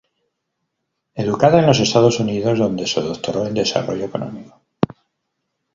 Educada en los Estados Unidos, donde se doctoró en desarrollo económico.